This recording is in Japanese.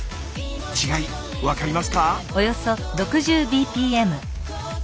違い分かりますか？